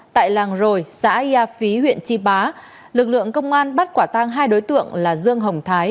tại làng rồi xã yà phí huyện chi bá lực lượng công an bắt quả tang hai đối tượng là dương hồng thái